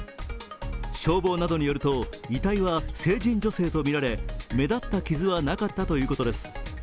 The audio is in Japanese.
消防などによると遺体は成人女性とみられ目立った傷はなかったということです。